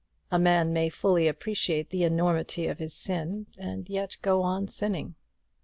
A man may fully appreciate the enormity of his sin, and yet go on shining.